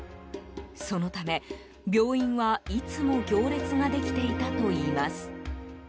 そのため、病院はいつも行列ができていたといいます。